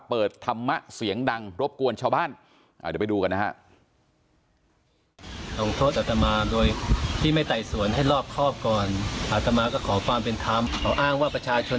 เปิดธรรมะเสียงดังรบกวนชาวบ้าน